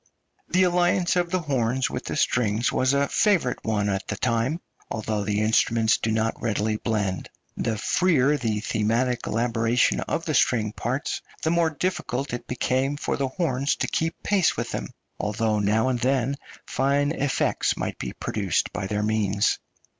The alliance of the horns with the strings was a favourite one at the time, although the instruments do not readily blend. The freer the thematic elaboration of the string parts the more difficult it became for the horns to keep pace with them, although now and then fine effects might be produced by their means.